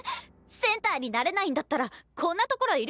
センターになれないんだったらこんなところいる